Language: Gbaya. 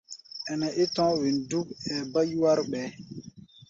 Ɛnɛ é tɔ̧́ɔ̧́ wen dúk, ɛɛ bá yúwár ɓɛɛ́.